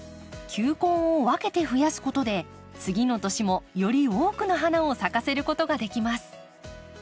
球根を分けて増やすことで次の年もより多くの花を咲かせることができます。